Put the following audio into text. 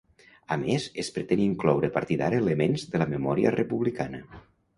A més, es pretén incloure a partir d’ara elements de la memòria republicana.